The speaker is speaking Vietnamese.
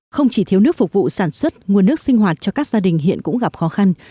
không chỉ thiếu nước phục vụ sản xuất nguồn nước sinh hoạt cho các gia đình hiện cũng gặp khó khăn